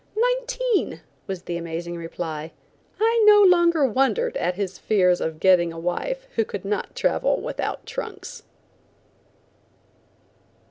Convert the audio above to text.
"Nineteen," was the amazing reply. I no longer wondered at his fears of getting a wife who could not travel without trunks.